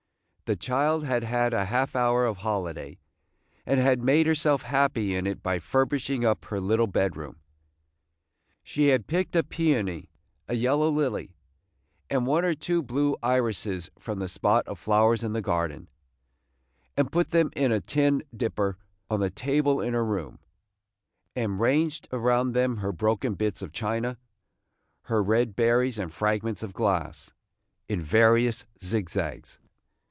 The child had had a half hour of holiday, and had made herself happy in it by furbishing up her little bedroom. She had picked a peony, a yellow lily, and one or two blue irises, from the spot of flowers in the garden, and put them in a tin dipper on the table in her room, and ranged around them her broken bits of china, her red berries and fragments of glass, in various zigzags.